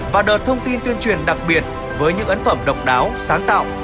và đợt thông tin tuyên truyền đặc biệt với những ấn phẩm độc đáo sáng tạo